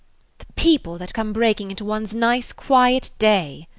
"The people that come breaking into one's nice, quiet day!"